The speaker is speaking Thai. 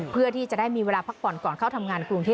เพื่อที่จะได้มีเวลาพักผ่อนก่อนเข้าทำงานกรุงเทพ